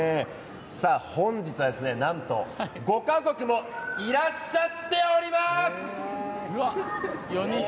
本日は、ご家族もいらっしゃっております！